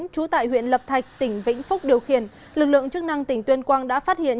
trú tại huyện lập thạch tỉnh vĩnh phúc điều khiển lực lượng chức năng tỉnh tuyên quang đã phát hiện